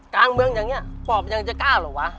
กลางเมืองอย่างนี้ปอบยังจะกล้าเหรอวะ